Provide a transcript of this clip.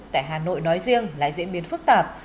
tại hà nội nói riêng lại diễn biến phức tạp